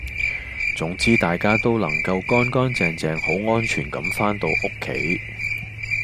總之大家都能夠乾乾淨淨好安全咁番到屋企